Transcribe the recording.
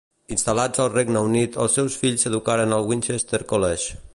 Instal·lats al Regne Unit els seus fills s'educaren al Winchester College.